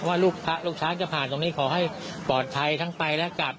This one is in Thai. ว่าลูกช้างจะผ่านตรงนี้ขอให้ปลอดภัยทั้งไปและกลับ